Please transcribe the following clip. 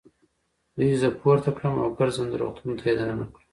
دوی زه پورته کړم او ګرځنده روغتون ته يې دننه کړم.